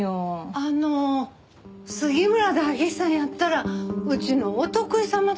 あの杉村代議士さんやったらうちのお得意様ですけど。